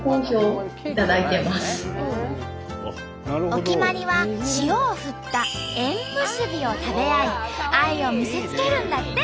お決まりは塩を振った「塩むすび」を食べ合い愛を見せつけるんだって！